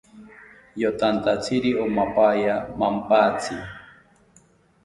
Yotantatziri omampaya mampantzi